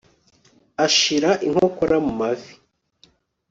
Ashira inkokora ku mavi